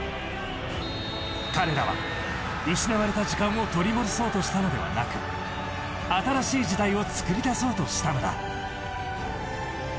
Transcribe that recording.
彼らは、失われた時間を取り戻そうとしたのではなく新しい時代を作り出そうとしたのだ。